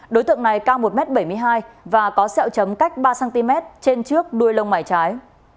đối tượng này cao một m bảy mươi hai và có sẹo chấm cách ba cm trên trước đuôi lông mải trái